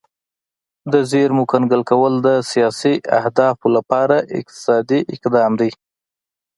د زیرمو کنګل کول د سیاسي اهدافو لپاره اقتصادي اقدام دی